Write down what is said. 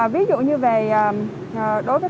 ví dụ như đối với